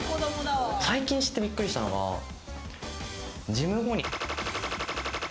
最近知ってびっくりしたのがジム後に○○。